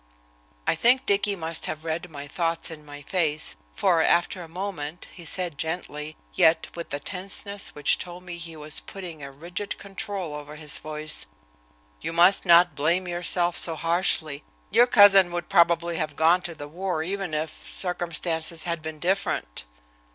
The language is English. I think Dicky must have read my thoughts in my face, for, after a moment, he said gently, yet with a tenseness which told me he was putting a rigid control over his voice: "You must not blame yourself so harshly. Your cousin would probably have gone to the war even if circumstances had been different."